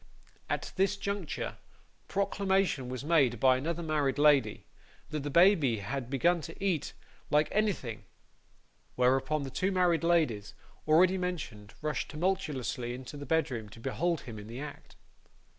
At this juncture, proclamation was made by another married lady, that the baby had begun to eat like anything; whereupon the two married ladies, already mentioned, rushed tumultuously into the bedroom to behold him in the act.